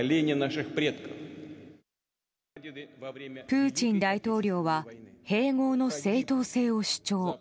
プーチン大統領は併合の正当性を主張。